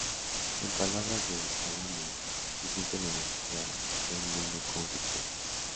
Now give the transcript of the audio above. En palabras de Álamo, que siente "la necesidad de un mundo con ficción".